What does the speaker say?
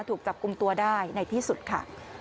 ถูกจับกลุ่มตัวได้ในที่สุดค่ะ